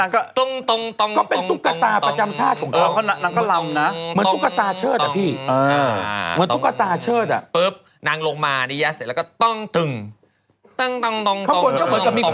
เข้าบนก็เหมือนกับมีคนเชิญนางอยู่เห็นไหมล่ะ